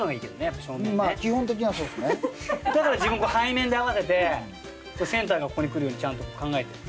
だから背面で合わせてセンターがここにくるようにちゃんと考えて。